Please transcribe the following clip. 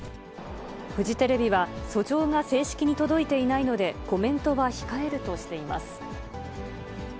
フジテレビは、訴状が正式に届いていないので、コメントは控えるとしています。